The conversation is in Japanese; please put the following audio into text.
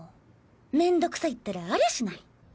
めんどくさいったらありゃしない。